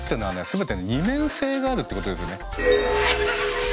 全て二面性があるってことですよね。